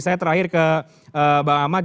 saya terakhir ke bang ahmad